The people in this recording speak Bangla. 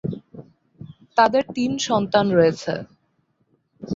তাদের তিন সন্তান রয়েছে।